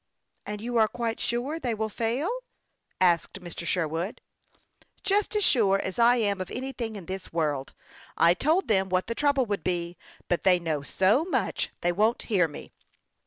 " And you are quite sure they will fail ?" asked Mr. Sherwood. " Just as sure as I am of anything in this world. I told them what the trouble would be ; but they know so much they won't hear me.